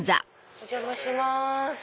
お邪魔します。